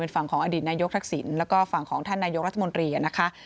ฝั่งของอดีตนายกทักษิณแล้วก็ฝั่งของท่านนายกรัฐมนตรีนะคะ